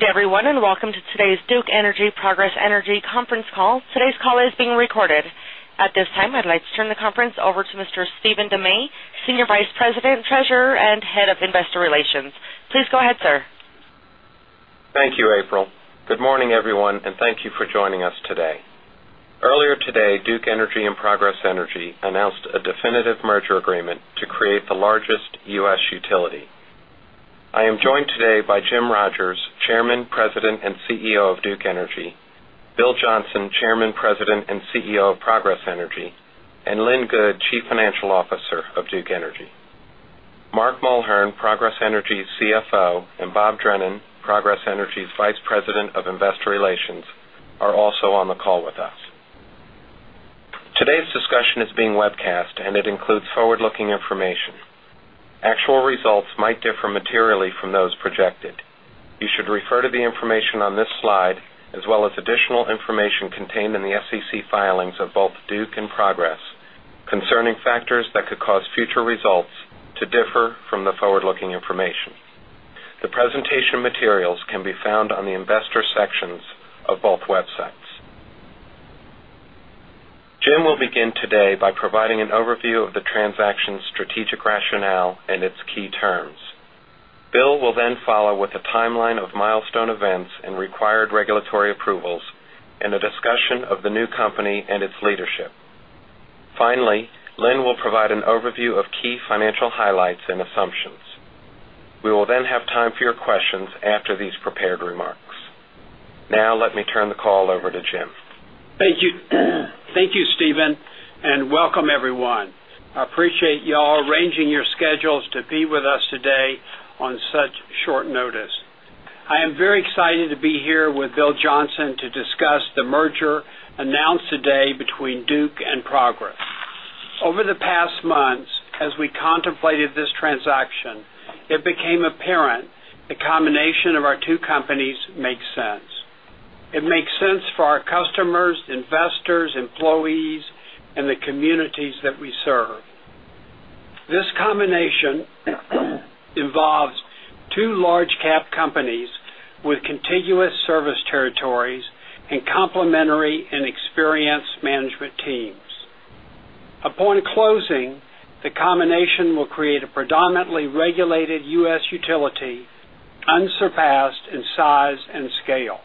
Good day, everyone, and welcome to today's Duke Energy Progress Energy Conference Call. Today's call is being recorded. At this time, I'd like to turn the conference over to Mr. Stephen DeMay, Senior Vice President, Treasurer and Head of Investor Relations. Please go ahead, sir. Thank you, April. Good morning, everyone, and thank you for joining us today. Earlier today, Duke Energy and Progress Energy announced a definitive merger agreement to create the largest U. S. Utility. I am joined today by Jim Rogers, Chairman, President and CEO of Duke Energy Bill Johnson, Chairman, President and CEO of Progress Energy and Lynn Goode, Chief Financial Officer of Duke Energy. Mark Mulhern, Progress Energy's CFO and Bob Drennan, Progress Energy's Vice President of Investor Relations are also on the call with us. Today's discussion is being webcast and includes forward looking information. Actual results might differ materially from those projected. You should refer to the information on this slide as well as additional information contained in the SEC filings of both Duke and Progress concerning factors that could cause future results to differ from the forward looking information. The presentation materials can be found on the Investors sections of both websites. Jim will begin today by providing an overview of the transaction's strategic rationale and its key terms. Bill will then follow with a timeline of milestone events and required regulatory approvals and a discussion of the new company and its leadership. Finally, Lynn will provide an overview of key financial highlights and assumptions. We will then have time for your questions after these prepared remarks. Now let me turn the call over to Jim. Thank you, Steven, and welcome everyone. I appreciate you all arranging your schedules to be with us today on such short notice. I am very excited to be here with Bill Johnson to discuss the merger announced today between Duke and Progress. Over the past months, as we contemplated this transaction, it became apparent the combination of our 2 companies makes sense. It makes sense for our customers, investors, employees and the communities that we serve. This combination involves 2 large cap companies with contiguous service territories and complementary and experienced management teams. Upon closing, the combination will create a predominantly regulated U. S. Utility unsurpassed in size and scale.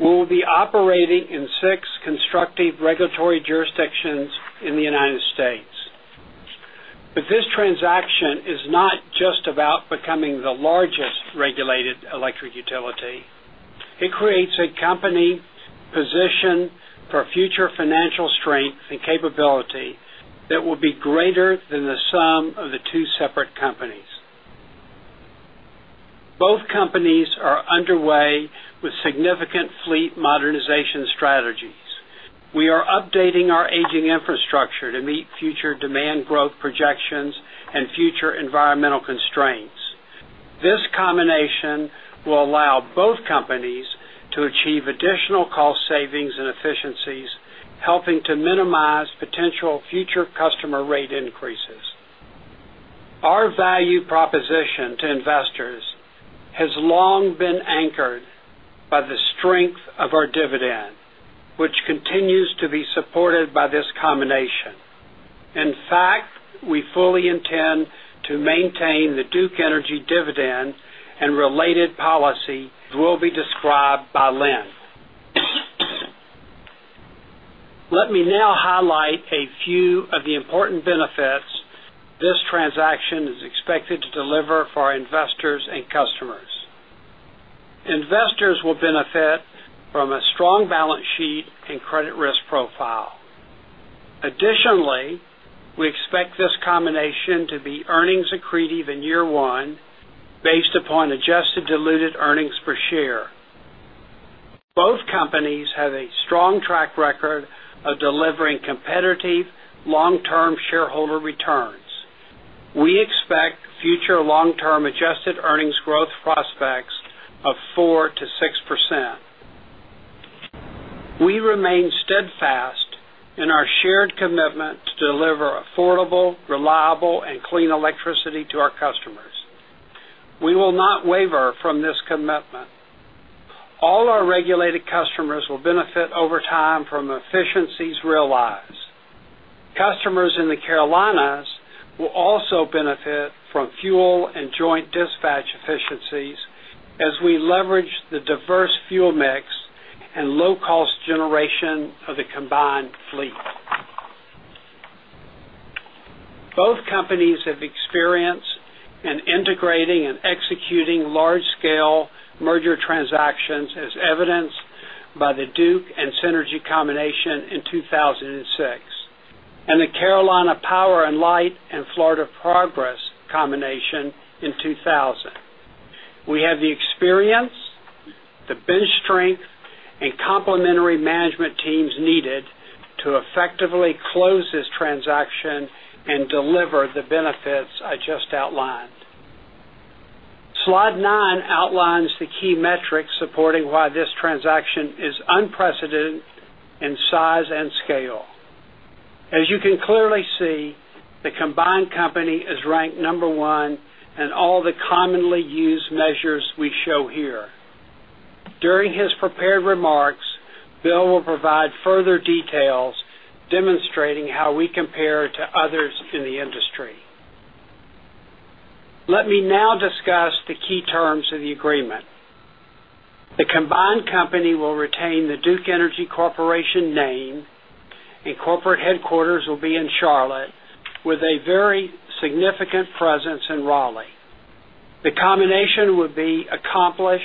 We will be operating in 6 constructive regulatory jurisdictions in the United States. But this transaction is not just about becoming the largest regulated electric utility. Creates a company position for future financial strength and capability that will be greater than the sum of the 2 separate companies. Both companies are underway with significant fleet modernization strategies. We are updating our aging infrastructure to meet future demand growth projections and future environmental constraints. This combination will allow both companies to achieve additional cost savings and efficiencies helping to minimize potential future customer rate increases. Our value proposition to investors has long been anchored by the strength of our dividend, which continues to be supported by this combination. In fact, we fully intend to maintain the Duke Energy dividend and related policy will be described by Lynn. Let me now highlight a few of the important benefits this transaction is expected to deliver for our investors and customers. Investors will benefit from a strong balance sheet and credit risk profile. Additionally, we expect this combination to be earnings accretive in year 1 based upon adjusted diluted earnings per share. Both companies have a strong track record of delivering competitive long term shareholder returns. We expect future long term adjusted earnings growth prospects of 4% to 6%. We remain steadfast in our shared commitment to deliver affordable, reliable and clean electricity to our customers. We will not waver from this commitment. All our regulated customers will benefit over time from efficiencies realized. Customers in the Carolinas will also benefit from fuel and joint dispatch efficiencies as we leverage the diverse fuel mix and low cost generation of the combined fleet. Both companies have experience in integrating and executing large transactions as evidenced by the Duke and Synergy combination in 2006 and the Carolina Power and Light and Florida Progress combination in 2,000. We have the experience, the bench strength and complementary management teams needed to effectively close this transaction and deliver the benefits I just outlined. Slide 9 outlines the key metrics supporting why this transaction is unprecedented in size and scale. As you can clearly see, the combined company is ranked number 1 in all the commonly used measures we show here. During his prepared remarks, Bill will provide further details demonstrating how we compare to others in the industry. Let me now discuss the key terms of the agreement. The combined company will retain the Duke Energy Corporation name and corporate headquarters will be in Charlotte with a very significant presence in Raleigh. The combination would be accomplished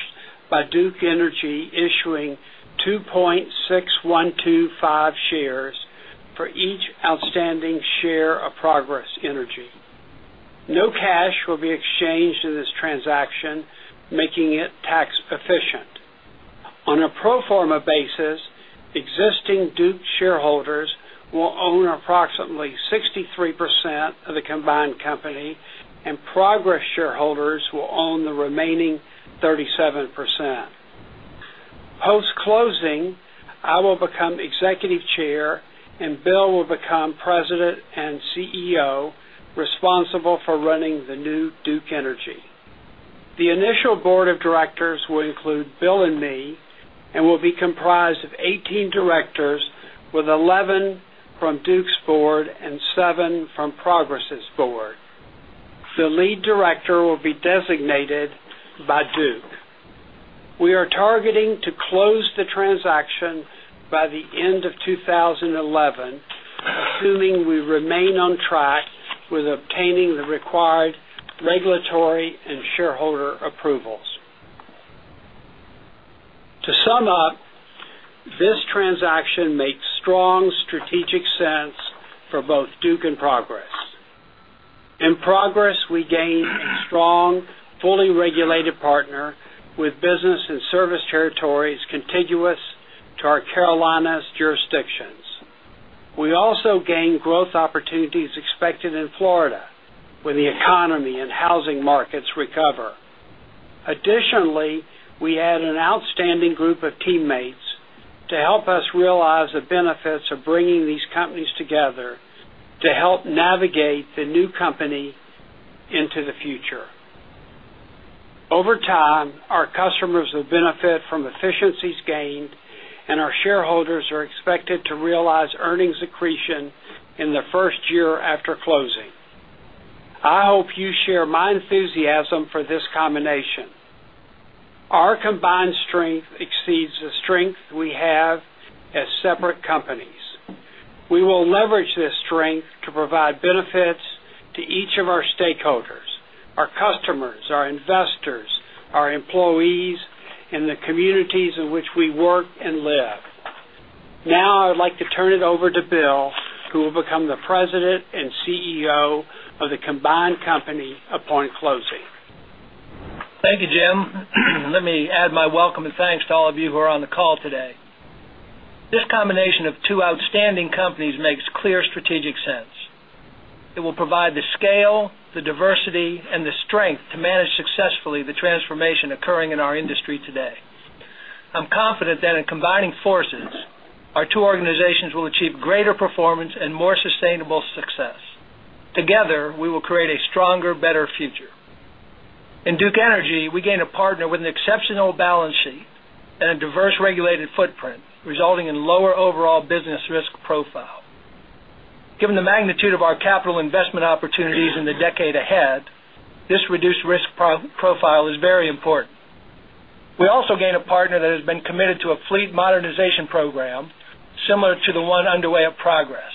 by Duke Energy issuing 2.6125 shares for each outstanding share of Progress Energy. No cash will be exchanged in this transaction, making it tax efficient. On a pro form a basis, existing Duke shareholders will own approximately 63% of the combined company and Progress shareholders will own the remaining 37%. Post closing, I will become Executive Chair and Bill will become President and CEO responsible for running the new Duke Energy. The initial Board of Directors will include Bill and me and will be comprised of 18 directors with 11 from Duke's Board and 7 from Progress' Board. The Lead Director will be designated by Duke. We are targeting to close the transaction by the end of 2011, assuming we remain on track obtaining the required regulatory and shareholder approvals. To sum up, this transaction makes strong strategic sense for both Duke and Progress. In Progress, we gained a strong fully regulated partner with business and service territories contiguous to our Carolinas jurisdictions. We also gained growth opportunities expected in Florida, when the economy and housing markets recover. Additionally, we had an outstanding group of teammates to help us realize the benefits of bringing these companies together to help navigate the new company into the future. Over time, our customers will benefit from efficiencies gained and our shareholders are expected to realize earnings accretion in the 1st year after closing. I hope you share my enthusiasm for this combination. Our combined strength exceeds the strength we have as separate companies. We will leverage this strength to provide benefits to each of our stakeholders, our customers, our investors, our employees and the communities in which we work and live. Now I would like to turn it over to Bill, who will become the President and CEO of the combined company upon closing. Thank you, Jim. Let me add my welcome and thanks to all of you who are on the call today. This combination of 2 outstanding companies makes clear strategic sense. It will provide the scale, the diversity and the strength to manage successfully the transformation occurring in our industry today. I'm confident that in combining forces, our 2 organizations will achieve greater performance and more sustainable success. Together, we will create a stronger, better future. In Duke Energy, we gained a partner with an exceptional balance sheet and a diverse regulated footprint, resulting in lower overall business risk profile. Given the magnitude of our capital investment opportunities in the decade ahead, this reduced risk profile is very important. We also gained a partner that has been committed to a fleet modernization program similar to the one underway at Progress.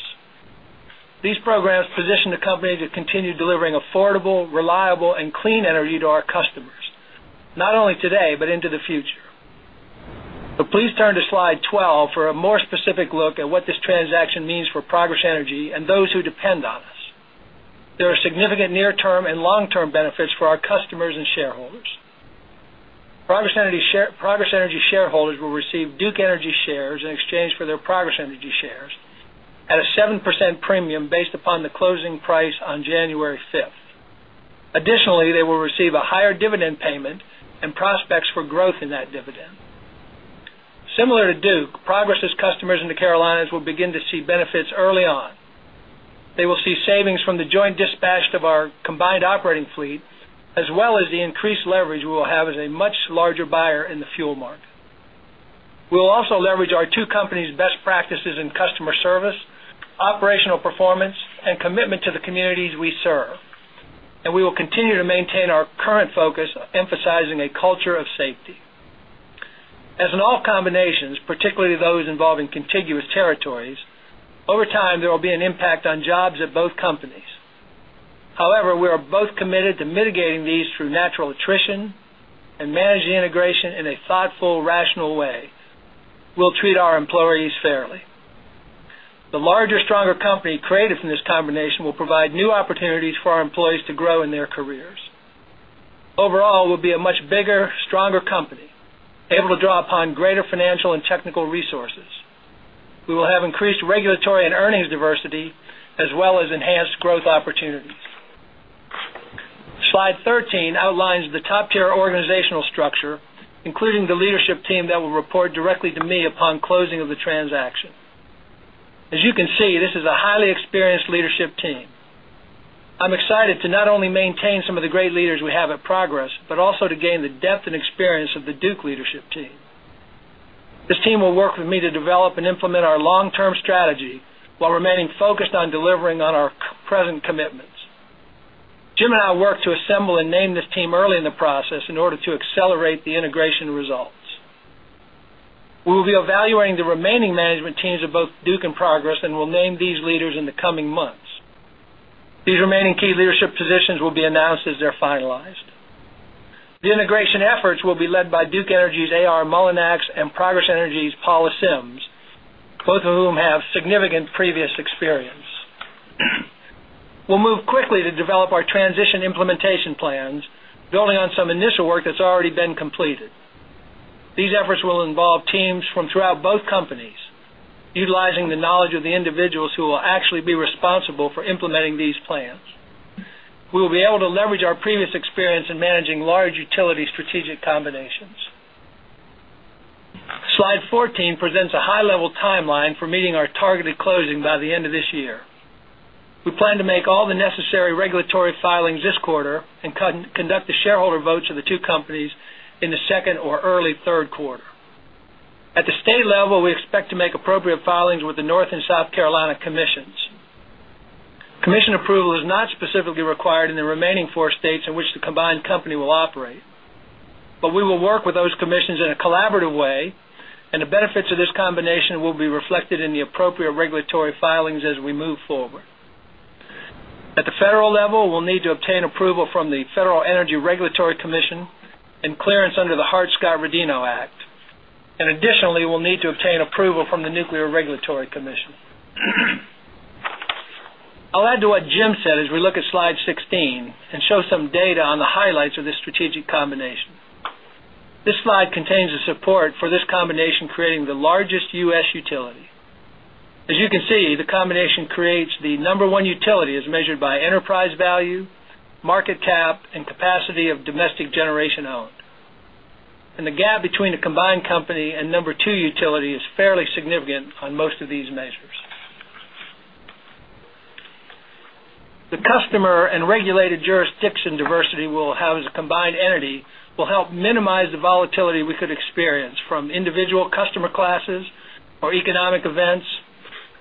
These programs position the company to continue delivering affordable, reliable and clean energy to our customers, not only today, but into the future. So please turn to slide 12 for a more specific look at what this transaction means for Progress Energy and those who depend on us. There are significant near term and long term benefits for our customers and shareholders. Progress Energy Shareholders will receive Duke Energy shares in exchange for their Progress Energy shares at a 7% premium based upon the closing price on January 5. Additionally, they will receive a higher dividend payment and prospects for growth in that dividend. Similar to Duke, Progress's customers in the Carolinas will begin to see benefits early on. They will see savings from the joint dispatch of our combined operating fleet as well as the increased leverage we will have as a much larger buyer in the fuel market. We will also leverage our 2 companies' best practices in customer service, operational performance and commitment to the communities we serve. And we will continue to maintain our current focus emphasizing a culture of safety. As in all combinations, particularly those involving contiguous territories, over time there will be an impact on jobs at both companies. However, we are both committed to mitigating these through natural attrition and manage the integration in a thoughtful rational way. We'll treat our employees fairly. The larger stronger company created from this combination will provide new opportunities for our employees to grow in their careers. Overall, we'll be a much bigger stronger company, able to draw upon greater financial and technical resources. We will have increased regulatory and earnings diversity as well as enhanced growth opportunities. Slide 13 outlines the top tier organizational structure, including the leadership team that will report directly to me upon closing of the transaction. As you can see, this is a highly experienced leadership team. Excited to not only maintain some of the great leaders we have at Progress, but also to gain the depth and experience of the Duke leadership team. This team will work with me to develop and implement our long term strategy, while remaining focused on delivering on our present commitments. Jim and I worked to assemble and name this team early in the process in order to accelerate the integration results. We will be evaluating the remaining management teams of both Duke and Progress and will name these leaders in the coming months. These remaining key leadership positions will be announced as they're finalized. The integration efforts will be led by Duke Energy's AR Mullinax and Progress Energy's Paula Sims, both of whom have significant previous experience. We'll move quickly to develop our transition implementation plans, building on some initial work that's already been completed. These efforts will involve teams from throughout both companies, utilizing the knowledge of the individuals who will actually be responsible for implementing these plans. We will be able to leverage our previous experience in managing large utility strategic combinations. Slide 14 presents a high level timeline for meeting our targeted closing by the end of this year. We plan to make all the necessary regulatory filings this quarter and conduct the state level, we expect to make appropriate filings with the North At the state level, we expect to make appropriate filings with the North and South Carolina Commissions. Commission approval is not specifically required in the remaining four states in which the combined company will operate. But we will work with those commissions in a collaborative way and the benefits of this combination will be reflected in the appropriate regulatory filings as we move forward. At the federal level, we'll need to obtain approval from the Federal Energy Regulatory Commission and clearance under the Hart Scott Rodino Act. And additionally, we'll need to obtain approval from the Nuclear Regulatory Commission. I'll add to what Jim said as we look at slide 16 and show some data on the highlights of this strategic combination. This slide contains the support for this combination creating the largest U. S. Utility. As you can see, the combination creates the number one utility as measured by enterprise value, market cap and capacity of domestic generation owned. And the gap between a combined company and number 2 utility is fairly significant on will help minimize the volatility we could experience from individual customer classes or economic events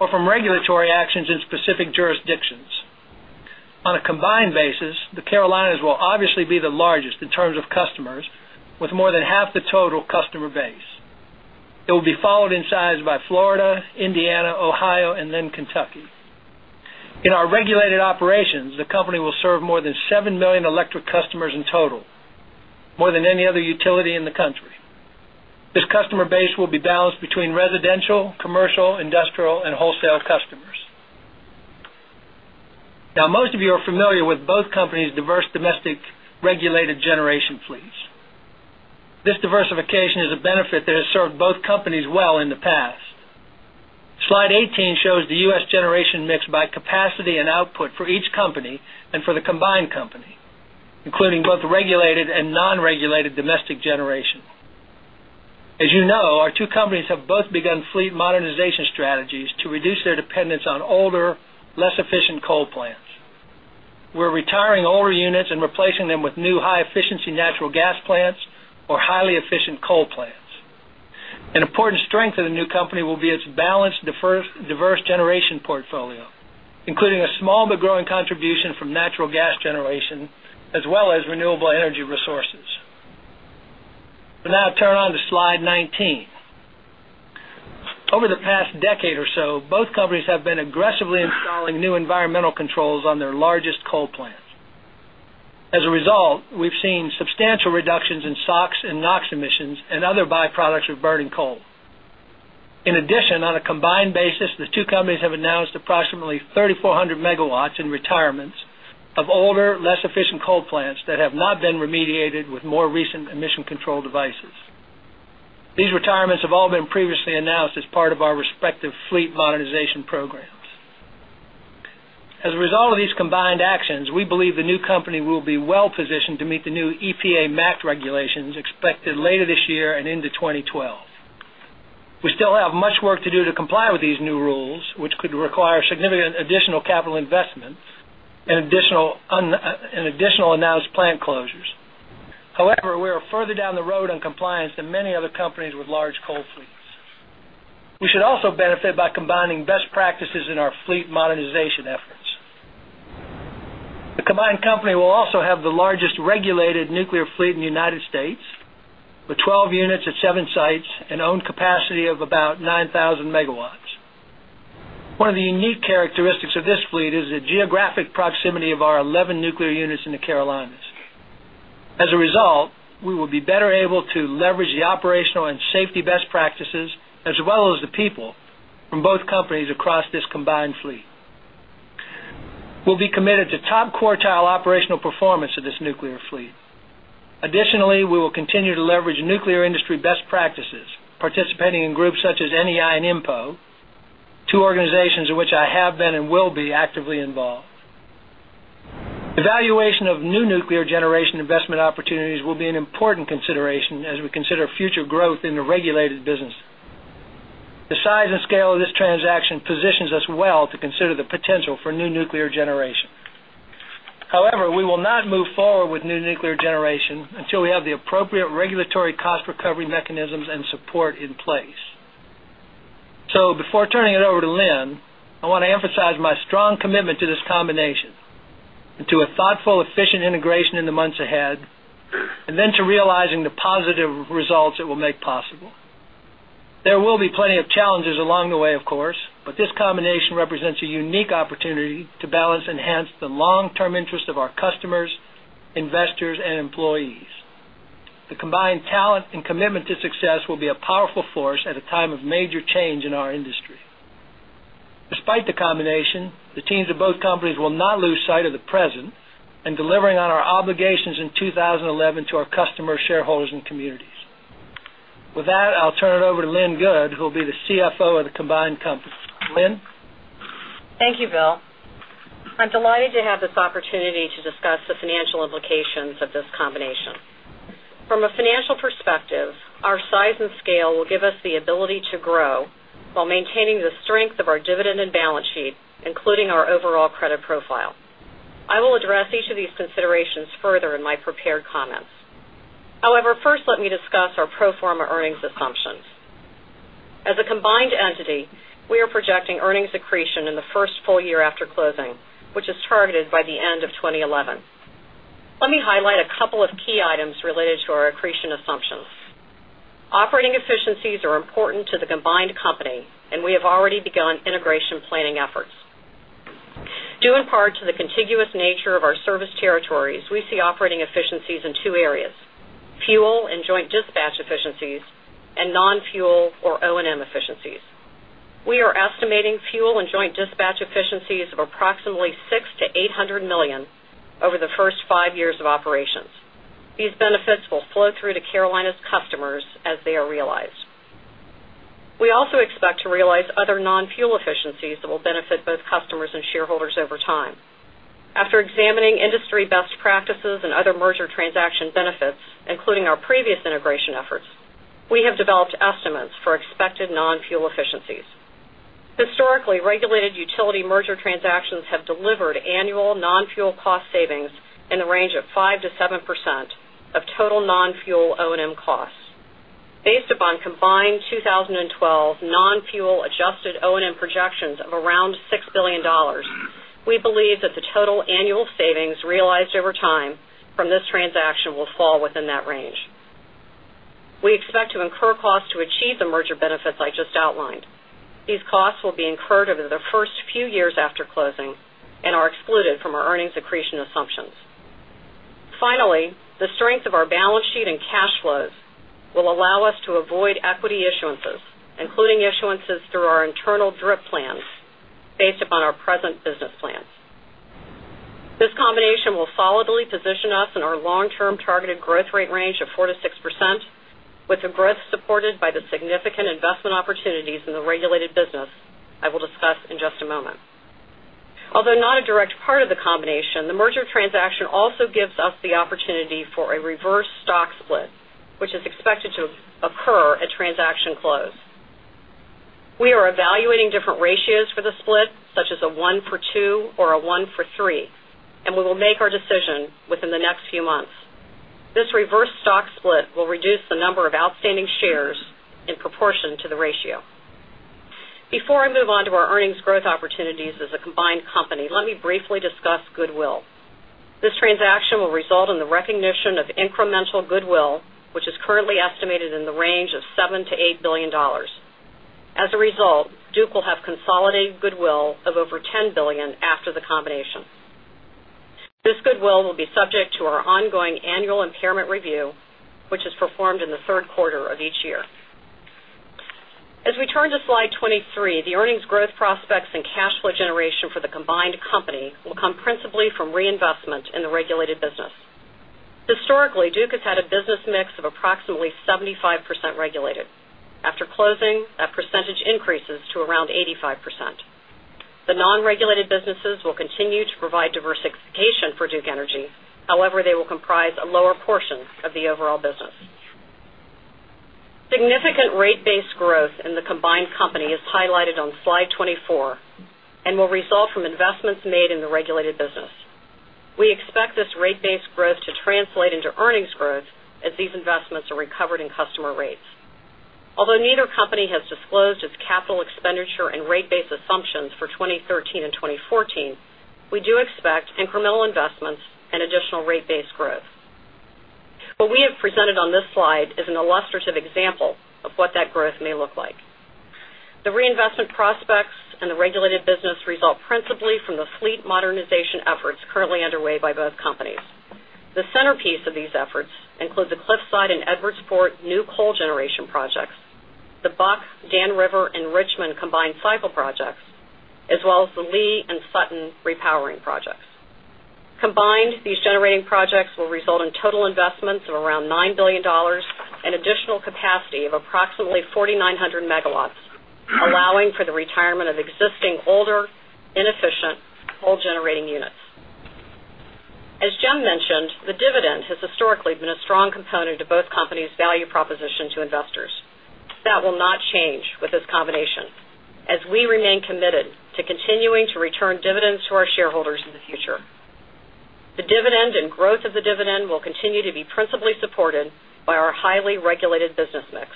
or from regulatory actions in specific jurisdictions. On a combined basis, the Carolinas will obviously be the largest in terms of customers with more than half the total customer base. It will be followed in size by Florida, Indiana, Ohio and then Kentucky. In our regulated operations, the company will serve more than 7,000,000 electric customers in total, more than any other utility in the country. This customer base will balanced between residential, commercial, industrial and wholesale customers. Now most of you are familiar with both companies' diverse domestic regulated generation fleets. This diversification is a benefit that has served both companies well in the past. Slide 18 shows the U. S. Generation mix by capacity and output for each company and for the combined company, including both regulated and non regulated domestic generation. As you know, our 2 companies have both begun fleet modernization strategies to reduce their dependence on older, less efficient coal plants. We're retiring older units and replacing them with new high efficiency natural gas plants or highly efficient coal plants. An important strength of the new company will be its balanced diverse generation portfolio, including a small but growing contribution from natural gas generation as well as renewable energy resources. I'll now turn on to slide 19. Over the past decade or so, both companies have been aggressively installing new environmental controls on their largest coal plants. As a result, we've seen substantial reductions in SOx and NOx emissions and other byproducts of burning coal. In addition, on a combined basis, these two companies have announced approximately 3,400 megawatts in retirements of older less efficient coal plants that have not been remediated with more recent emission control devices. These retirements have all been previously announced as part of our respective fleet monetization programs. As a result of these combined actions, we believe the new company will be well positioned to meet the new EPA MAX regulations expected later this year and into 2012. We still have much work to do to comply with these new rules, which could require significant additional capital investments and additional announced plant closures. However, we are further down the road in compliance than many other companies with large coal fleets. We should also benefit by combining best practices in our fleet monetization efforts. The combined company will also have the largest regulated nuclear fleet in the United States with 12 units at 7 sites and owned capacity of about 9,000 megawatts. One of the unique characteristics of this fleet is the geographic proximity of our 11 nuclear units in the Carolinas. As a result, we will be better able to leverage the operational and safety best practices as well as the people from both companies across this combined fleet. We'll be committed to top quartile operational performance of this nuclear fleet. Additionally, we will continue to leverage nuclear industry best practices, participating in groups such as NEI and INPO, 2 organizations in which I have been and will be actively involved. Evaluation of new nuclear generation investment opportunities will be an important consideration as we consider future growth in the regulated business. The size and scale of this transaction positions us well to consider the potential for new nuclear generation. However, we will not move forward with new nuclear generation until we have the appropriate regulatory cost recovery mechanisms and support in place. So before turning it over to Lynn, I want to emphasize my strong commitment to this combination and to a thoughtful efficient integration in the months ahead and then to realizing the positive results it will make possible. There will be plenty of challenges along the way of course, but this combination represents a unique opportunity to balance and enhance the long term interest of our customers, investors and employees. The combined talent and commitment to success will be a powerful force at a time of major change in our industry. Despite the combination, the teams of both companies will not lose sight of the present and delivering on our obligations in 2011 to our customers, shareholders and communities. With that, I'll turn it over to Lynn Good, who will be the CFO of the combined company. Lynn? Thank you, Bill. I'm delighted to have this opportunity to discuss implications of this combination. From a financial perspective, our size and scale will give us the ability to grow, while maintaining the strength of our dividend and balance sheet, including our overall credit profile. I will address each of these considerations further in my prepared comments. However, first let me discuss our pro form a earnings assumptions. As a combined entity, we are projecting earnings accretion in the 1st full year after closing, which is targeted by the end of 2011. Let me highlight a couple of key items related to our accretion assumptions. Operating efficiencies are important to the combined company and we have already begun integration planning efforts. Due in part to the contiguous nature of our service territories, we see operating efficiencies in 2 areas: fuel and joint dispatch efficiencies and non fuel or O and M efficiencies. We are estimating fuel and joint dispatch efficiencies of approximately $600,000,000 to 800,000,000 dollars over the 1st 5 years of operations. These benefits will flow through to Carolina's customers as they are realized. We also expect to realize other non fuel efficiencies that will benefit both customers and shareholders over time. After examining industry best practices and other merger transaction benefits, including our previous integration efforts, we have developed estimates for expected non fuel efficiencies. Historically, regulated utility merger transactions have delivered annual non fuel cost savings in the range of 5% to 7% of total non fuel O and M costs. Based upon combined O and M projections of around $6,000,000,000 we believe that the total annual savings realized over time from this transaction will fall within that range. We expect to incur costs to achieve the merger benefits I just outlined. These costs will be incurred over the 1st few years after closing and are excluded from our earnings accretion assumptions. Finally, the strength of our balance sheet and cash flows will allow us to avoid equity issuances, including issuances through our internal DRIP plans based upon our present business plans. This combination will solidly position us in our long term targeted growth rate range of 4% to 6% with the growth supported by the significant investment opportunities in the regulated business, I will discuss in just a moment. Although not a direct part of the combination, the merger transaction also gives us the opportunity for a reverse stock split, which is expected to occur at transaction close. We are evaluating different ratios for the split such as a 1 for 2 or a 1 for 3 and we will make our decision within the next few months. This reverse stock split will reduce the number of outstanding shares in proportion to the ratio. Before I move on to our earnings growth opportunities as a combined company, let me briefly discuss goodwill. This transaction will result in the recognition of incremental goodwill, which is currently estimated in the range of $7,000,000,000 to $8,000,000,000 As a result, Duke will have consolidated goodwill of over $10,000,000,000 after the combination. This goodwill will be subject to our ongoing annual impairment review, which is performed in the Q3 of each year. As we turn to slide 23, the earnings growth prospects and cash flow generation for the combined company will come principally from reinvestment in the regulated business. Historically, Duke has had a business mix of approximately 75% regulated. After closing, that percentage increases to around 85%. The non regulated businesses will continue to provide diversification for Duke Energy. However, they will comprise a lower portion of the overall business. Significant rate base growth in the combined company is highlighted on slide 24 and will result from investments made in the regulated business. We expect this rate base growth to translate into earnings growth as these investments are recovered in customer rates. Although neither company has disclosed its capital expenditure and rate base assumptions for 2013 2014, we do expect incremental investments and additional rate base growth. What we have presented on this slide is an illustrative example of what that growth may look like. The reinvestment prospects and the regulated business result principally from the fleet modernization efforts currently underway by both companies. The centerpiece of these efforts includes the Cliffside and Edwardsport new coal generation projects, the Buck, Dan River and Richmond combined cycle projects as well as the Lee and Sutton repowering projects. Combined, these generating projects will result in total investments of around 9,000,000,000 dollars and additional capacity of approximately 4,900 megawatts, allowing for the retirement of existing older inefficient coal generating units. As Jim mentioned, the dividend has historically been a strong component to both companies' value proposition to investors. That will not change with this combination as we remain committed to continuing to return dividends to our shareholders in the future. The dividend and growth of the dividend will continue to be principally supported by our highly regulated business mix.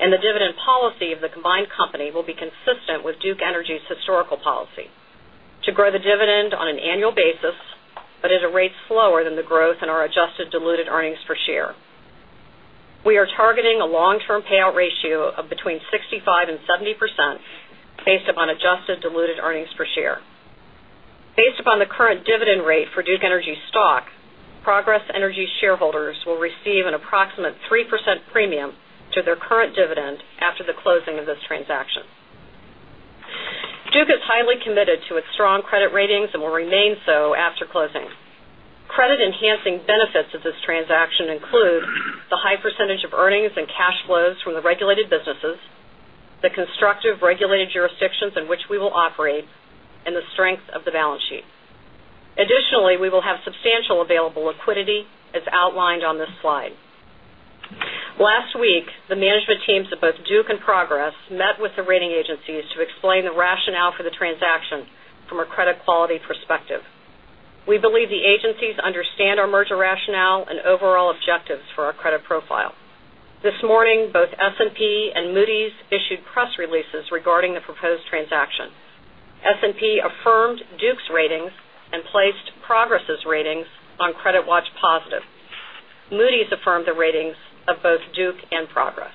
And the dividend policy of the combined will be consistent with Duke Energy's historical policy to grow the dividend on an annual basis, but at a rate slower than the growth in our adjusted diluted earnings per share. We are targeting a long term payout ratio of between 65% 70% based upon adjusted diluted earnings per share. Based upon the current dividend rate for Duke Energy stock, Progress Energy's shareholders will receive an approximate 3% premium to their current dividend after the closing of this transaction. Duke is highly committed to its strong credit ratings and will remain so after closing. Credit enhancing benefits of this transaction include the high percentage of earnings and cash flows from the regulated businesses, the constructive regulated jurisdictions in which we will operate and the strength of the balance sheet. Additionally, we will have substantial available liquidity as outlined on this slide. Last week, the management teams at both Duke and Progress met with the rating agencies to explain the rationale for the transaction from a credit quality perspective. We believe the agencies understand our merger rationale and overall objectives for our credit profile. This morning, both S and P and Moody's issued press releases regarding the proposed transaction. S and P affirmed Duke's ratings and placed Progress's ratings on CreditWatch Positive. Moody's affirmed the ratings of both Duke and Progress.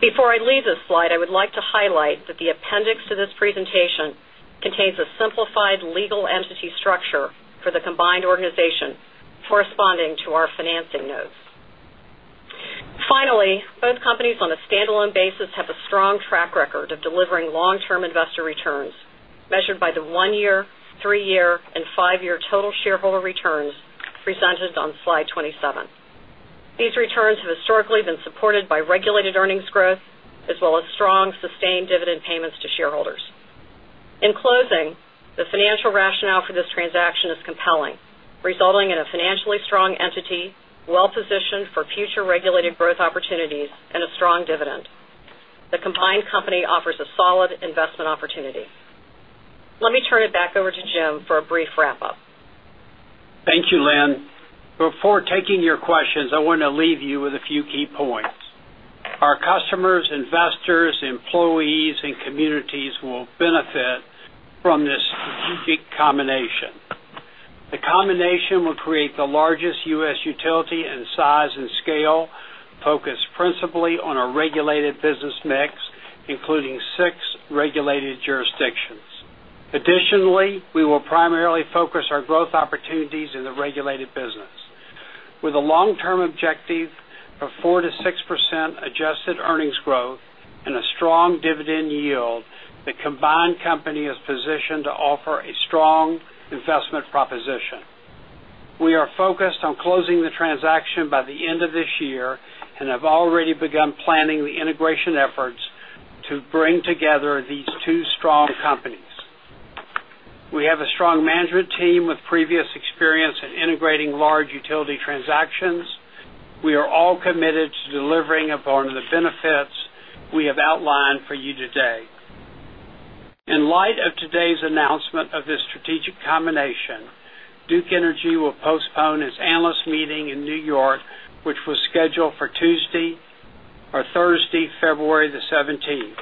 Before I leave this slide, I would like to highlight that the appendix to this presentation contains a simplified legal entity structure for the combined organization corresponding to our financing notes. Finally, both companies on a stand alone basis have a strong track record of delivering long term investor returns measured by the 1 year, 3 year and 5 year total shareholder returns presented on Slide 27. These returns have historically been supported by regulated earnings growth as well as strong sustained dividend payments to shareholders. In closing, the financial rationale for this transaction is compelling, resulting in a financially strong entity, well positioned for future regulated growth opportunities and a strong dividend. The combined company offers a solid investment opportunity. Let me turn it back over to Jim for a brief wrap up. Thank you, Lynn. Before taking your questions, I want to leave you with a few key points. Our customers, investors, employees and communities will benefit from this strategic combination. The combination will create the largest U. S. Utility in size and scale focused principally our regulated business mix, including 6 regulated jurisdictions. Additionally, we will primarily focus our growth opportunities in the regulated business. With a long term objective of 4% to 6% adjusted earnings growth and a strong dividend yield, the the combined company is positioned to offer a strong investment proposition. We are focused on closing transaction by the end of this year and have already begun planning the integration efforts to bring together these 2 strong companies. We have a strong management team with previous experience in integrating large utility transactions. Are all committed to delivering upon the benefits we have outlined for you today. In light of today's announcement of this strategic combination, Duke Energy will postpone its analyst meeting in New York, which was scheduled for Tuesday or Thursday, February 17.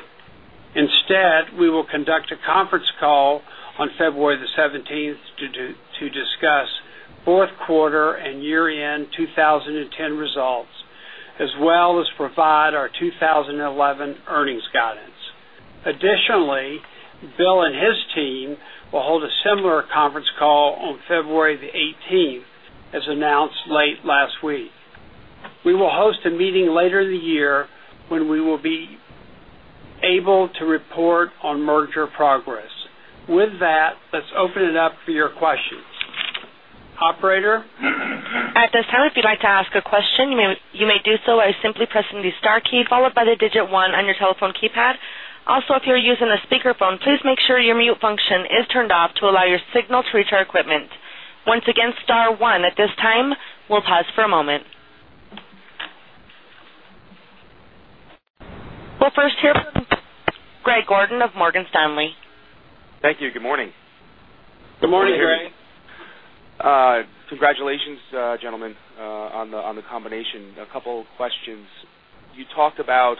Instead, we will conduct a conference call on February 17 to discuss Q4 year end twenty ten results as well as provide our 2011 earnings guidance. Additionally, Bill and his team will hold a similar conference call on February 18 as announced late last week. We will host a meeting later in the year when we will be able to report on merger progress. With that, let's open it up for your questions. Operator? We'll first hear from Greg Gordon of Morgan Stanley. Trey. Congratulations gentlemen on the combination. A couple of questions. You talked about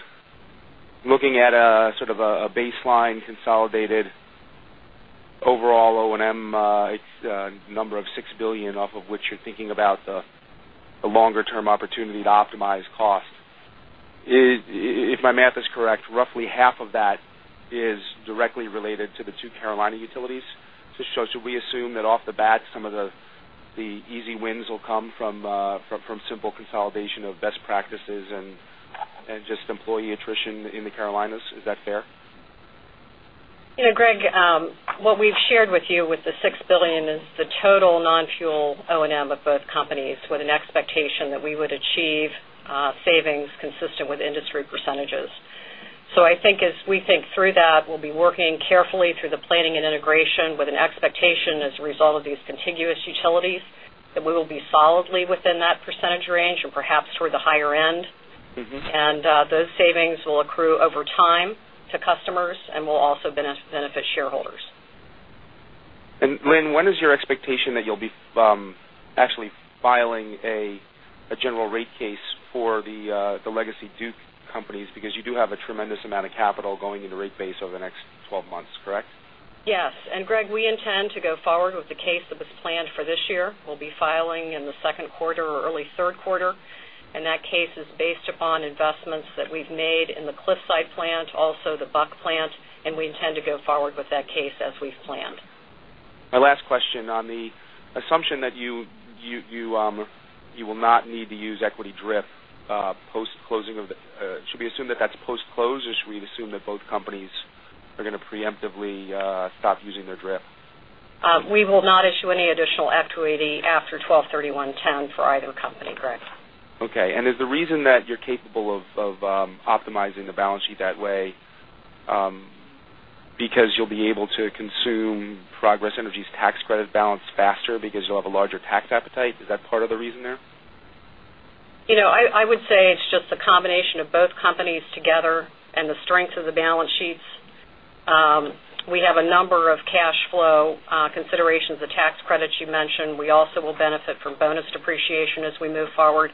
looking at a sort of a baseline consolidated overall O and M, it's a number of $6,000,000,000 off of which you're thinking about the longer term opportunity to optimize cost. If my math is correct, roughly half of that is directly related to the 2 Carolina utilities. So should we assume that off the bat some of the easy wins will come from simple consolidation of best practices and just employee attrition in the Carolinas? Is that fair? Greg, what we've shared with you with the $6,000,000,000 is the total nonfuel O and M of both companies with an expectation that we would achieve savings consistent with industry percentages. So I think as we think through that, we'll be working carefully through the planning and integration with an result of these contiguous utilities that we will be solidly within that percentage range and perhaps toward the higher end. And those savings will accrue over time to customers and will also benefit shareholders. And Lynn, when is your expectation that you'll be actually filing a general rate case for the legacy Duke Companies because you do have a tremendous amount of capital going into rate base over the next 12 months, correct? Yes. And Greg, we intend to go forward with the case that was planned for this year. We'll be filing in the Q2 or early Q3. And that case is based upon investments that we've made in the Cliffside plant, also the Buck plant, and we intend to go forward with that case as we've planned. My last question on the assumption that you will not need to use equity DRIP post closing of the should we assume that that's post close or should we assume that both companies are going to preemptively stop using their DRIP? We will not issue any additional F280 after Twelvethirty oneten for either company, Greg. Okay. And is the reason that you're capable of optimizing the balance sheet that way because you'll be able to consume Progress Energy's tax credit balance faster because you'll have a larger tax appetite? Is that part of the reason there? I would say it's just a combination of both companies together and the strength of the balance sheets. We have a number of cash flow considerations, the tax credits you mentioned. We also will benefit from bonus depreciation as we move forward.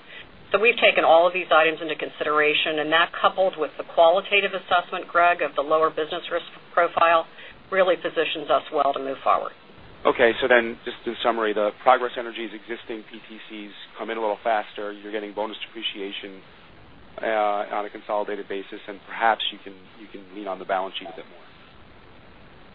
So we've taken all of these items into consideration. And that, coupled with the qualitative assessment, Greg, of the lower business risk profile, really positions us well to move forward. Okay. So then just in summary, the Progress Energy's existing PTCs come in a little faster. You're getting bonus depreciation on a consolidated basis and perhaps you can lean on the balance sheet a bit more.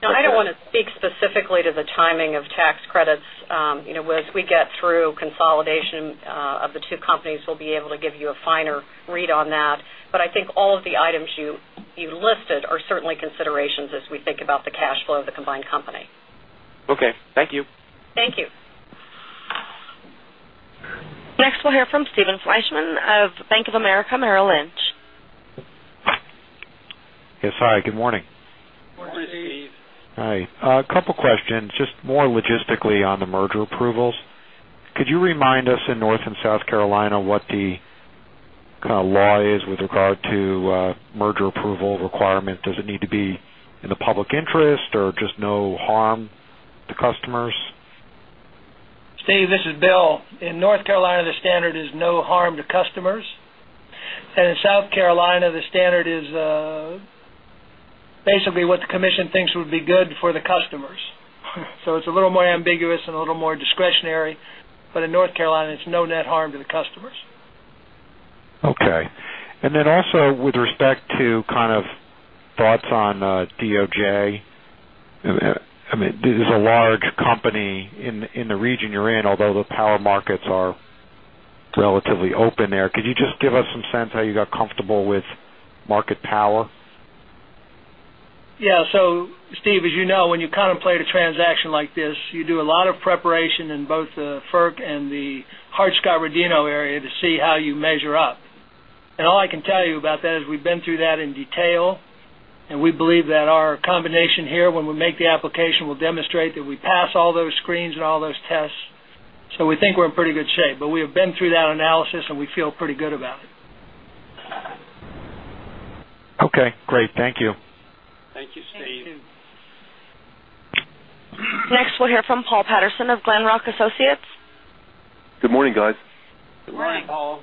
No, I don't want to speak specifically to the timing of tax credits. As we get through consolidation of the 2 companies, we'll be able to give you a finer read on that. But I think all of the items you listed are certainly considerations as we think about the cash flow of the combined company. Okay. Thank you. Thank you. Next we'll hear from Stephen Fleishman of Bank of America Merrill Lynch. Yes. Hi. Good morning. Good morning, Steve. Hi. A couple of questions. Just more logistically on the merger approvals. Could you remind us in North and South Carolina what the kind of law is with regard to merger approval requirement? Does it need to be in the public interest or just no harm to customers? Steve, this is Bill. In North Carolina, the standard is no harm to customers. And in South Carolina, the standard is basically what the commission thinks would be good for the customers. So it's a little more ambiguous and a little more discretionary. But in North Carolina, it's no net harm to the customers. Okay. And then also with Yes Yes. So Steve, as you know, when you contemplate a transaction like this, you do a lot of preparation in both the FERC and the hard Scotradino area to see how you measure up. And all I can tell you about that is we've been through that in detail and we believe that our combination here when we make the application will demonstrate that we pass all those screens and all those tests. So we think we're in pretty good shape. But we have been through that analysis and we feel pretty good about it. Okay, great. Thank you. Thank you, Steve. Thank you. Next, we'll hear from Paul Patterson of Glenrock Associates. Good morning, guys. Good morning, Paul.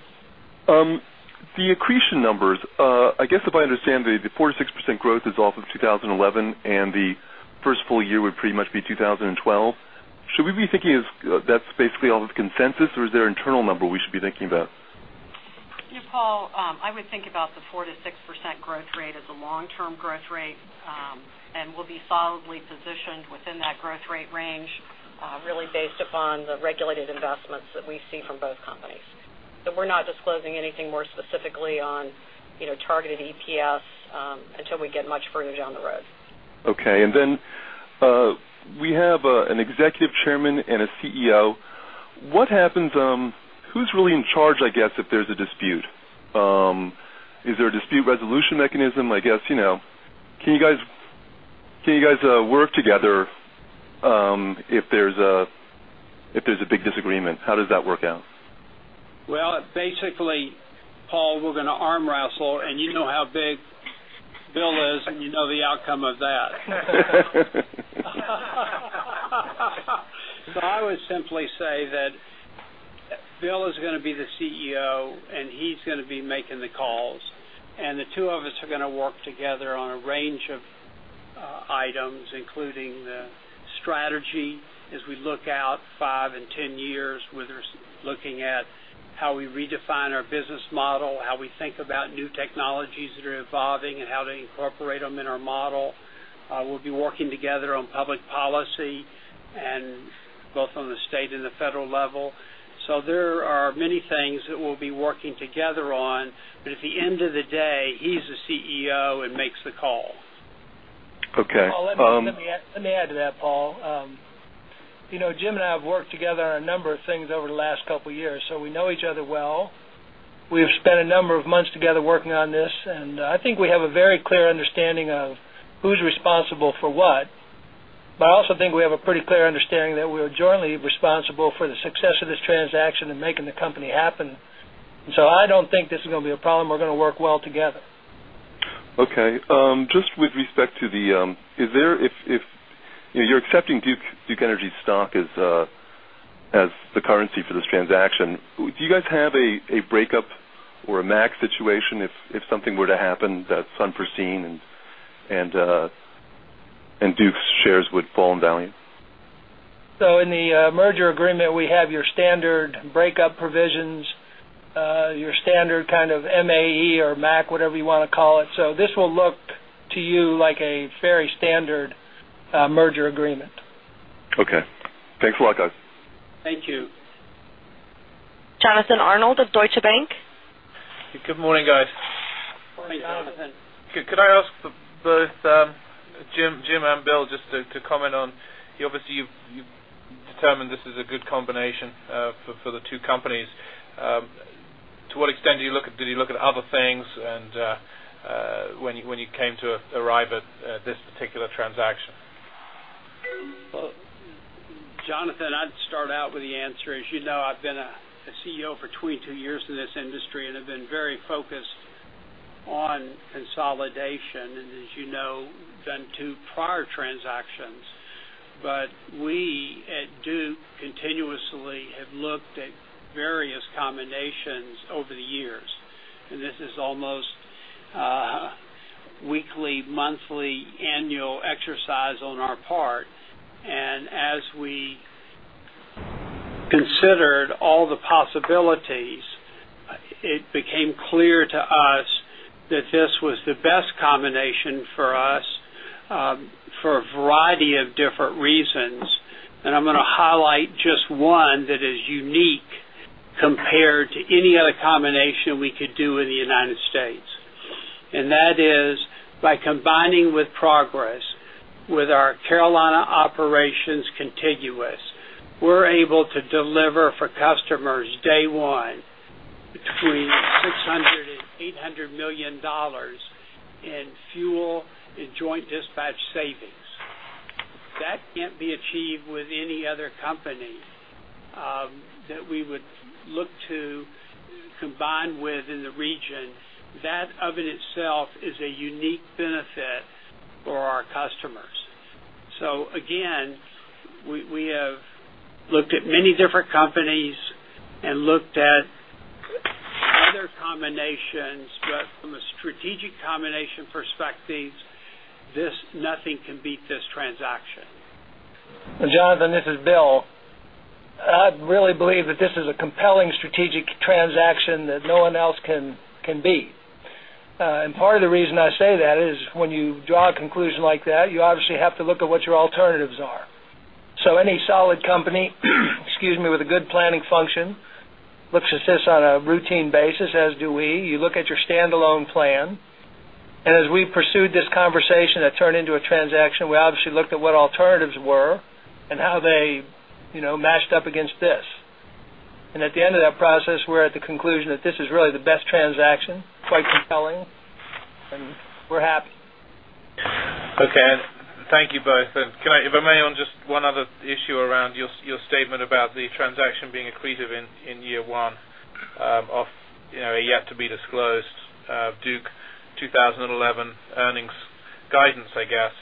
The accretion numbers, I guess, if I understand the 4% to 6% growth is off of 20 11 and the 1st full year would pretty much be 2012. Should we be thinking is that's basically all of the consensus or is there internal number we should be thinking about? Paul, I would think about the 4% to 6% growth rate as a long term growth rate. And we'll be solidly positioned within that growth rate range really based upon the regulated investments that we see from both companies. So we're not disclosing anything more specifically on targeted EPS until we get much further down the road. Okay. And then we have an Executive Chairman and a CEO. What happens who's really in charge, I guess, if there's a dispute? Is there a dispute resolution mechanism? I guess, can you guys work together if there's a big disagreement? How does that work out? Well, basically, Paul, we're going to arm wrestle and you know how big Bill is and you know the outcome of that. So I would simply say that Bill is going to be the CEO and he's going to be making the calls. And the 2 of us are going to work together on a range of items, including the strategy as we look out 5 10 years, whether it's looking at how we redefine our business model, how we think about new technologies that are evolving and how to incorporate them in our model. We'll be working together on public policy and both on the state and the federal level. So there are many things that we'll be working together on. But at the end of the day, he's the CEO and makes the call. Okay. Paul. Let me add to that Paul. Jim and I have worked together on a number of things over the last couple of years. So we know each other well. We have spent a number of months together working on this. And I think we have a very clear understanding of who's responsible for what. But I also think we have a pretty clear understanding that we are jointly responsible for the success of this transaction and making the company happen. And so I don't think this is going to be a problem. We're going to work well together. Okay. Just with respect to the is there if you're accepting Duke Energy stock as the currency for this transaction. Do you guys have a breakup or a MAX situation if something were to happen that's unforeseen and Duke's shares would fall in value? So in the merger agreement, we have your standard breakup provisions, your standard kind of MAE or MAC, whatever you want to call it. So this will look to you like a very standard merger agreement. Okay. Thanks a lot guys. Thank you. Jonathan Arnold of Deutsche Bank. Good morning, guys. Good morning, Jonathan. Could I ask both Jim and Bill just to comment on, obviously, you've determined this is a good combination for the two companies. To what extent do you look at did you look at other things and when you came to arrive at this particular transaction? Jonathan, I'd start out with the answer. As you know, I've been a CEO for 22 years in this industry and have been very focused on consolidation. And as you know, we've done 2 prior transactions. But we at Duke continuously have looked at various combinations over the years. And this is almost weekly, monthly, annual exercise on our part. And as we considered all the possibilities, it became clear to us that this was the best combination for us for a variety of different reasons. And I'm going to highlight just one that is unique compared to any other combination we could do in the United States. And that is by combining with progress with our Carolina operations contiguous, we're able to deliver for customers day 1 between $600,000,000 $800,000,000 in fuel and joint dispatch savings. That can't be achieved with any other company that we would look to combine within the region that of itself is a unique benefit for our customers. So again, we have looked at many different companies and looked at other combinations. But from a strategic combination perspective, this nothing can beat this transaction. Jonathan, this is Bill. I really believe that this is a compelling strategic transaction that no one else can beat. And part of the reason I say that is when you draw a conclusion like that, you obviously have to look at what your alternatives are. So any solid company with a good planning function looks at this on a routine basis as do we. You look at your stand alone plan. And as we pursued this conversation that turned into a transaction, we obviously looked at what alternatives were and how they mashed up against this. And at the end of that process, we're at the conclusion that this is really the best transaction, quite compelling and we're happy. Okay. Thank you both. And can I if I may, on just one other issue around your statement about the transaction being accretive in year 1 of yet to be disclosed Duke 2011 earnings guidance, I guess?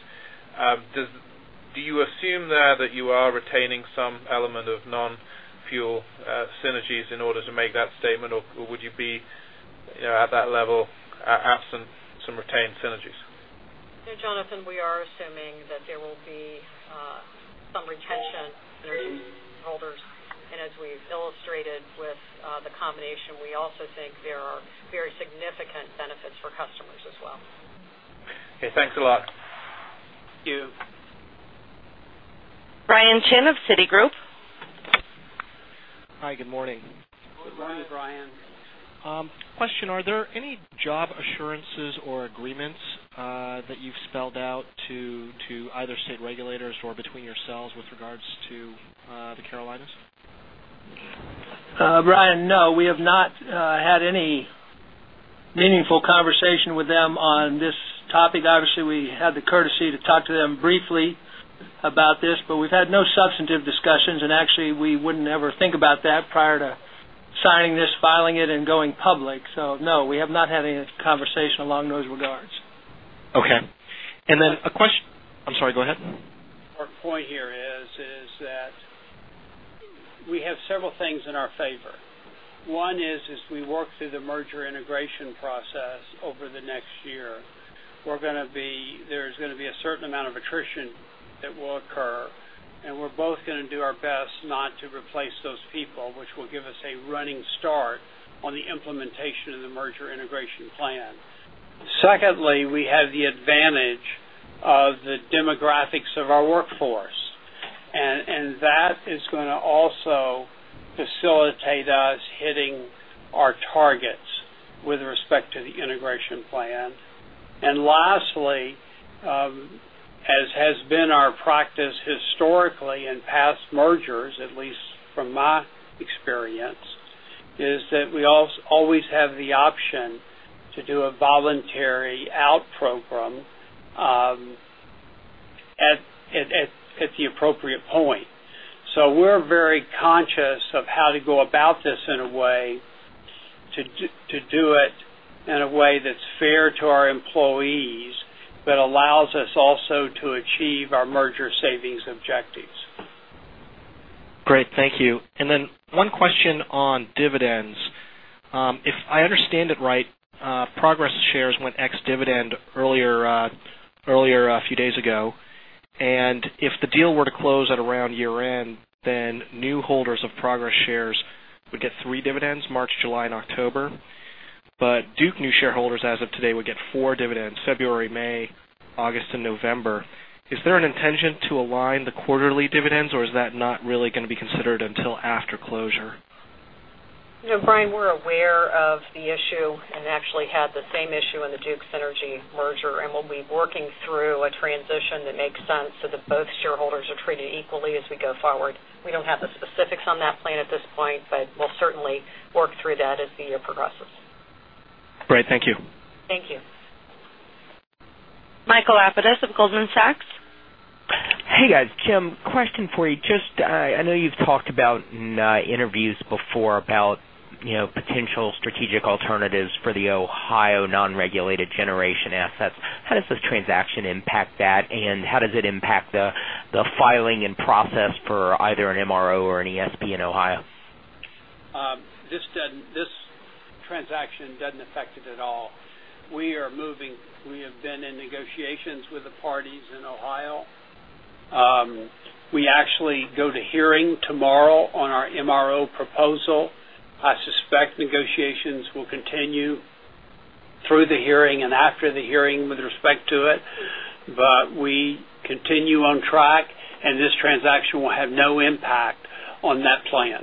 Do you assume there that you are retaining some element of non fuel synergies in order to make that statement? Or would you be at that level absent some retained synergies? Jonathan, we are assuming that there will be some retention in the shareholders. And as we've illustrated with the combination, we also think there are very significant benefits for customers as well. Okay. Thanks a lot. Thank you. Brian Chin of Citigroup. Hi, good morning. Good morning, Brian. Question, are there any job assurances or agreements that you've spelled out to either state regulators or between yourselves with regards to the Carolinas? Brian, no. We have not had any meaningful conversation with them on this topic. Obviously, we had the courtesy to talk to them briefly about this, but we've had no substantive discussions. And actually, we wouldn't ever think about that prior to signing this, filing it and going public. So no, we have not had any conversation along those regards. Okay. And then a question I'm sorry go ahead. Our point here is that we have several things in our favor. One is as we work through the merger integration process over the next year, we're going to be there's going to be a certain amount of attrition that will occur. And we're both going to do our best not to replace those people, which will give us a running start on the implementation of the merger integration plan. Secondly, we have as has been our practice historically in past mergers, at least from my experience, is that we always have the option to do a voluntary out program at the appropriate point. So we're very conscious of how to go about this in a way to do it in a way that's fair to our employees, but allows us also to achieve our merger savings objectives. Great. Thank you. And then one question on dividends. If I understand it right, Progress shares went ex dividend earlier a few days ago. And if the deal were to close at around year end, then new holders of Progress shares would get 3 dividends March, July October. But Duke new shareholders as of today would get 4 dividends February, May, August November. Is there an intention to align the quarterly dividends or is that not really going to be considered until after closure? Brian, we're aware of the issue and actually had the same issue in the Duke Synergy merger. And we'll be working through a transition that makes sense so that both shareholders are treated equally as we go forward. We don't have the specifics on that plan at this point, but we'll certainly work through that as the year progresses. Great. Thank you. Thank you. Michael Lapides of Goldman Sachs. Hey, guys. Jim, question for you. Just I know you've talked about in interviews before about potential strategic alternatives for the Ohio non regulated generation assets. How does this transaction impact that? And how does it impact the filing and process for either an MRO or an ESP in Ohio? This transaction doesn't affect it at all. We are moving We have been in negotiations with the parties in Ohio. We actually go to hearing tomorrow on our MRO proposal. I suspect negotiations will continue through the hearing and after the hearing with respect to it. But we continue on track and this transaction will have no impact on that plan.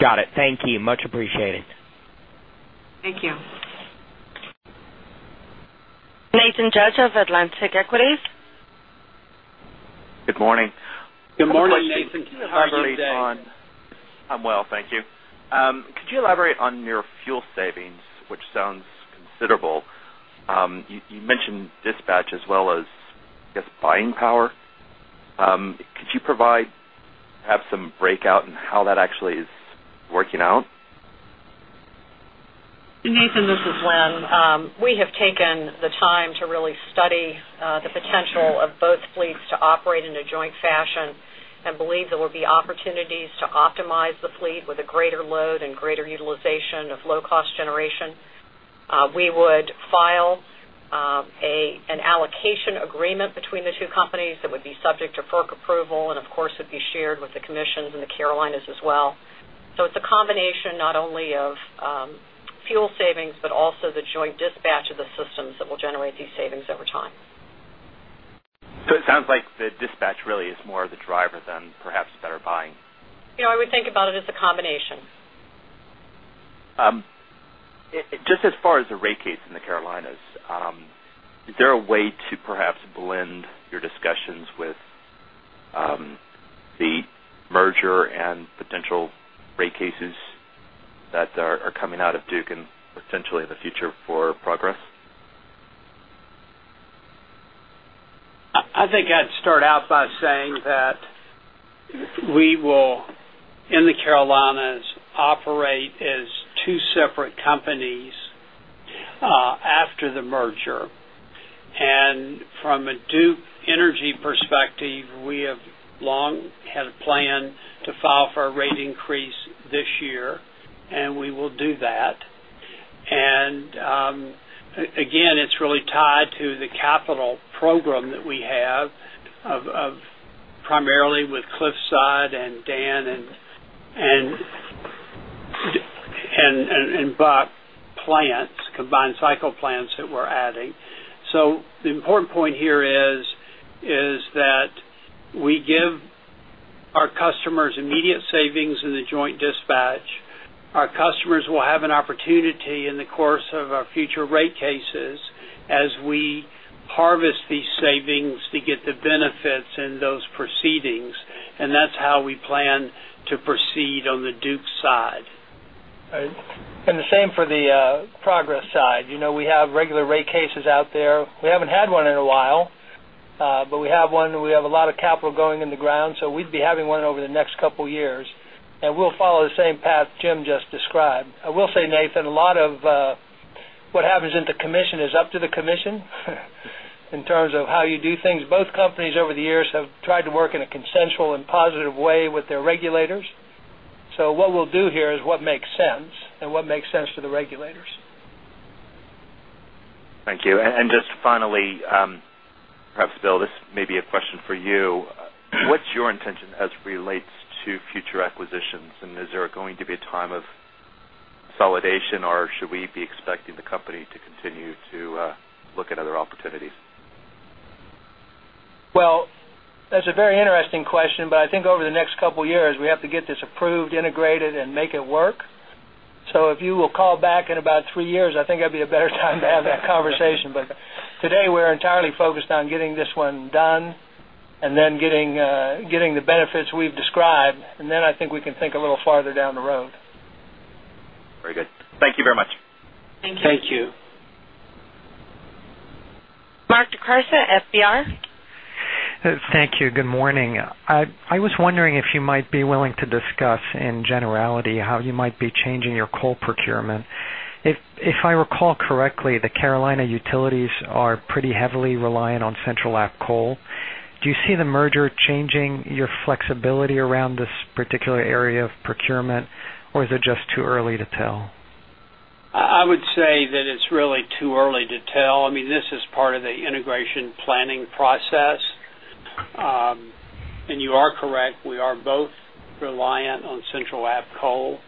Got it. Thank you. Much appreciated. Thank you. Nathan Judge of Atlantic Equities. Good morning. Good morning, Nathan. Good morning, Nathan. Hi, Nathan. Hi, Nathan. I'm well. Thank you. Could you elaborate on your fuel savings, which sounds considerable? You mentioned dispatch as well as, I guess, buying power. Could you provide perhaps some breakout and how that actually is working out? Nathan, this is Lynn. We have taken the time to really study the potential of both fleets to operate in a joint fashion and believe there will be opportunities to optimize the fleet with a greater load and generation. We would file an allocation agreement between the two companies that would be subject to FERC approval and of course would be shared with the commissions and the Carolinas as well. So it's a combination not only of fuel savings, but also the joint dispatch of the systems that will generate these savings over time. So it sounds like the dispatch really is more of the driver than perhaps better buying? I would think about it as a combination. Just as far as the rate case in the Carolinas, is there a way to perhaps blend your discussions with the merger and potential rate cases that are coming out of Duke and potentially in the future for progress? I think I'd start out by saying that we will in the Carolinas operate as 2 separate companies after the merger. And from a Duke Energy perspective, we have long had a plan to file for a rate increase this year and we will do that. And again, it's really tied to the capital program that we have of primarily with Cliffside and Dan and Bak plants, combined cycle plants that we're adding. So the important point here is that we give our customers immediate savings in the joint dispatch. Our customers will have an opportunity in the course of our future rate cases as we harvest these savings to get the benefits in those proceedings. And that's how we plan to proceed on the Duke side. And the same for the progress side. We have regular rate cases out there. We haven't had one in a while, but we have one. We have a lot of capital going in the ground. So we'd be having one over the next couple of years and we'll follow the same path Jim just described. I will say Nathan, a lot of what happens in the commission is up to the commission in terms of how you do things. Both companies over the years have tried to work in a consensual and positive way with their regulators. So what we'll do here is what makes sense and what makes sense to the regulators. Thank you. And just finally, perhaps Bill this may be a question for you. What's your intention as it relates to future acquisitions? And is there going to be a time of consolidation? Or should we be expecting the company to continue to look at other opportunities? Well, that's a very interesting question. But I think over the next couple of years, we have to get this approved, integrated and make it work. So if you will call back in about 3 years, I think that'd be a better time to have that conversation. But today, we're entirely focused on getting this one done and then getting the benefits we've described. And then I think we can think a little farther down the road. Very good. Thank you very much. Thank you. Thank you. Mark DeCarson, FBR. Thank you. Good morning. I was wondering if you might be willing to discuss in generality how you might be changing your coal procurement. If I recall correctly, the Carolina utilities are pretty heavily reliant on central app coal. Do you see the merger changing your flexibility around this particular area of procurement? Or is it just too early to tell? I would say that it's really too early to tell. I mean, this is part of the integration planning process. And you are correct, we are both reliant on central app coal.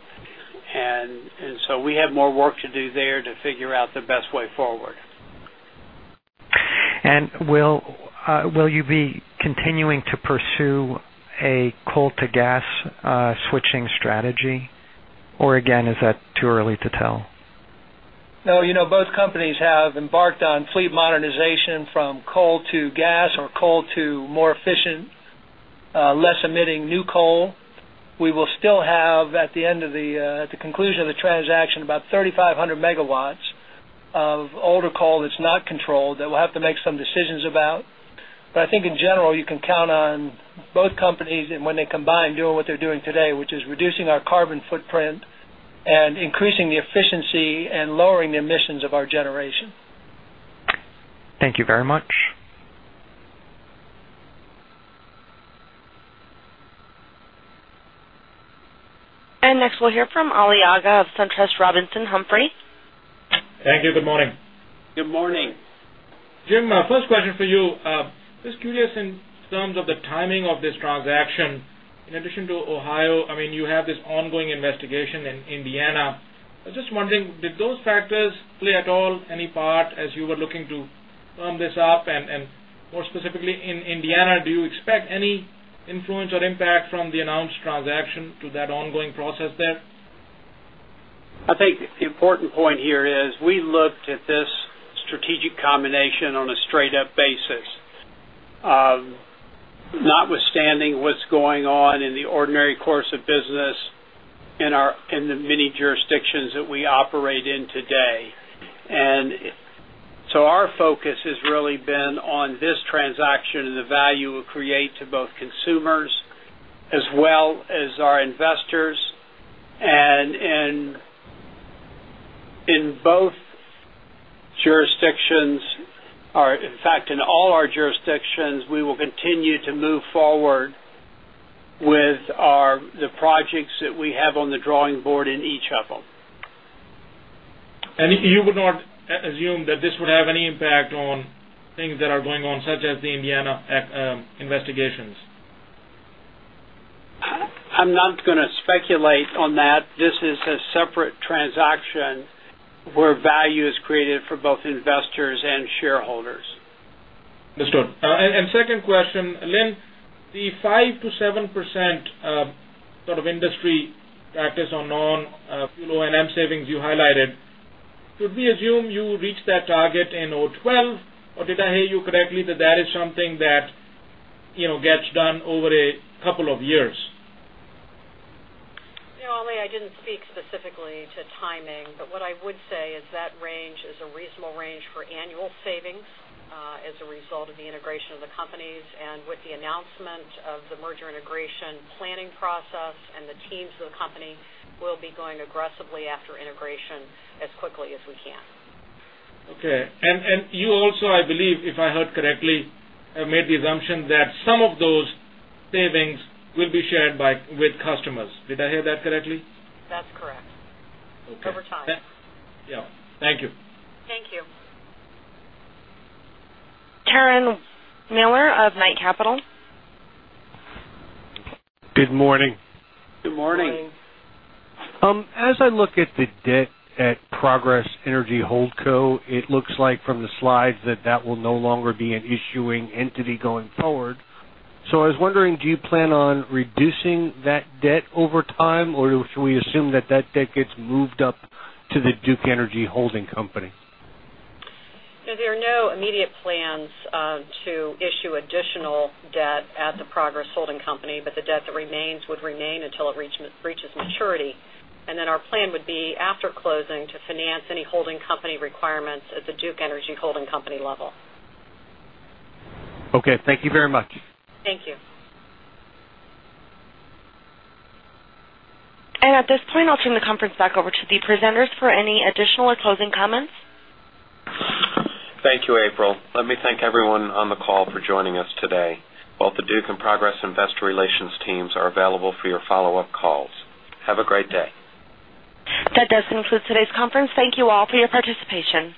And so we have more work to do there to figure out the best way forward. And will you be continuing to pursue a coal to gas switching strategy? Or again, is that too early to tell? No. Both companies have embarked on fleet modernization from coal to gas or coal to more efficient, less emitting new coal. We will still have at the end of the at the conclusion of the transaction about 3,500 megawatts of older coal that's not controlled that we'll have to make some decisions about. But I think in general, you can count on both companies and when they combine doing what they're doing today, which is reducing our carbon footprint and increasing the efficiency and lowering the emissions of our generation. Thank you very much. And next we'll hear from Ali Agha of SunTrust Robinson Humphrey. Thank you. Good morning. Good morning. Jim, first question for you. Just curious in terms of the timing of this transaction in addition to Ohio, I mean, you have this ongoing investigation in Indiana. I was just wondering, did those factors play at all any part as you were looking to firm this up? And more specifically in Indiana, do you expect any influence or impact from the announced transaction to that ongoing process there? I think the important point here is we looked at this strategic combination on a straight up basis, notwithstanding what's the many jurisdictions that we operate in today. And so our focus has really been on this transaction and the value we'll create to both consumers as well as our investors. And in both jurisdictions or in fact in all our jurisdictions, we will continue to move forward with our the projects that we have on the drawing board in each of them. And you would not assume that this would have any impact on things that are going on such as the Indiana investigations? I'm not going to speculate on that. This is a separate transaction where value is created for both investors and shareholders. Understood. And second question, Lynn, the 5% to 7% sort of industry practice on non fuel O and M savings you highlighted, should we assume you reach that target in 2012? Or did I hear you correctly that that is something that gets done over a couple of years? Ali, I didn't speak specifically to timing. But what I would say is that range is a reasonable range for annual savings as a result of the integration of the companies. And with the announcement of the merger integration planning process and the teams of the company, we'll be going aggressively after integration as quickly as we can. Okay. And you also I believe if I heard correctly made the assumption that some of those savings will be shared by with customers. Did I hear that correctly? That's correct. Over time. Yes. Thank you. Thank you. Karen Miller of Knight Capital. Good morning. Good morning. As I look at the debt at Progress Energy Holdco, it looks like from the slides that that will no longer be an issuing entity going forward. So I was wondering do you plan on reducing that debt over time? Or should we assume that that debt gets moved up to the Duke Energy Holding Company? There are no immediate plans to issue additional debt at the Progress Holding Company, but the debt that remains would remain until it reaches maturity. And then our plan would be after closing to finance any holding company requirements at the Duke Energy Holding Company level. And at this point, I'll turn the conference back over to the presenters for any additional or closing comments. Thank you, April. Let me thank everyone on the call for joining us today. Both the Duke and Progress Investor Relations teams are available for your follow-up calls. Have a great day. That does conclude today's conference. Thank you all for your participation.